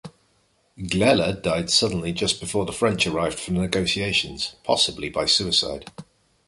Glele died suddenly just before the French arrived for negotiations, possibly by suicide.